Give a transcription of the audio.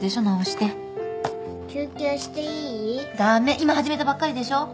今始めたばっかりでしょ。